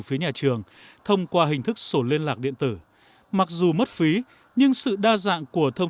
phía nhà trường thông qua hình thức sổ liên lạc điện tử mặc dù mất phí nhưng sự đa dạng của thông